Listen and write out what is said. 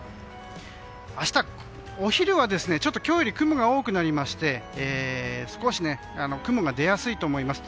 明日は、お昼は今日より雲が多くなりまして少し雲が出やすいと思います。